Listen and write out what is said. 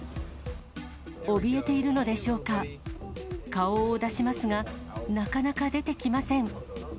おびえているのでしょうか、顔を出しますが、なかなか出てきません。